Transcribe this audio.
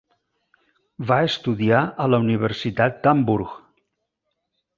Va estudiar a la Universitat d'Hamburg.